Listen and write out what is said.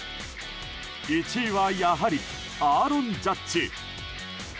１位は、やはりアーロン・ジャッジ。